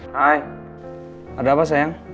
hai ada apa sayang